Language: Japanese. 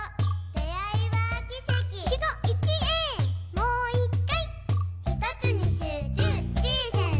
「もう一回」。